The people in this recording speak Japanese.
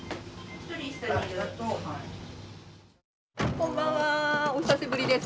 こんばんはお久しぶりです。